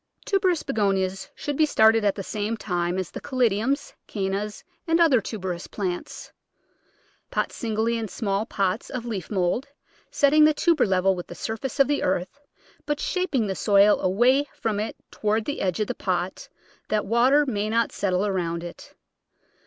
Tuberous Begonias should be started at the same time as the Caladiums, Cannas, and other tuberous plants. Pot singly in small pots of leaf mould, set ting the tuber level with the surface of the earth, but shaping the soil away from it toward the edge of the pot that water may not settle around it.